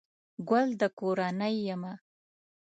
گل دکورنۍ يمه